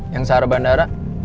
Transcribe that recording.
yang searah bandara